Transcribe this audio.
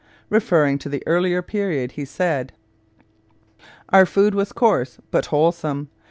Referring to the earlier period, he said: Our food was coarse but wholesome.